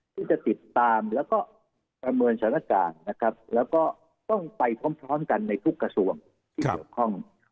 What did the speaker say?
ที่จะติดตามแล้วก็ประเมินสถานการณ์นะครับแล้วก็ต้องไปพร้อมกันในทุกกระทรวงที่เกี่ยวข้อง